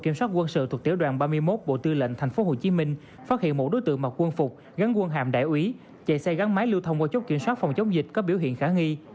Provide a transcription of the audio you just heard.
ba mươi một bộ tư lệnh thành phố hồ chí minh phát hiện một đối tượng mặt quân phục gắn quân hàm đại úy chạy xe gắn máy lưu thông qua chốt kiểm soát phòng chống dịch có biểu hiện khả nghi